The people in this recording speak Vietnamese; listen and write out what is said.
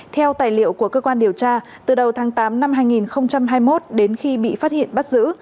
theo tài liệu của cơ quan điều tra từ đầu tháng tám năm hai nghìn hai mươi một đến khi bị phát hiện bắt giữ